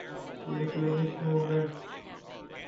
See Flemish movement.